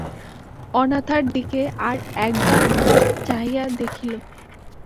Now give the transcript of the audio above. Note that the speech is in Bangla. অনাথার দিকে আর-এক বার চাহিয়া দেখিল।